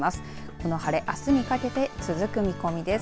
この晴れ、あすにかけて続く見込みです。